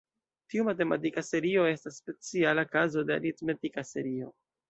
Tiu matematika serio estas speciala kazo de "aritmetika serio".